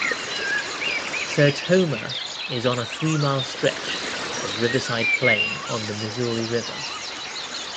Sertoma is on a three-mile stretch of riverside plain on the Missouri River.